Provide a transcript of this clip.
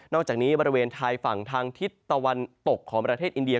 อกจากนี้บริเวณไทยฝั่งทางทิศตะวันตกของประเทศอินเดีย